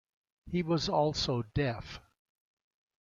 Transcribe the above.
He was also deaf.